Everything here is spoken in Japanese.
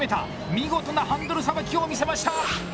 見事なハンドルさばきを見せました。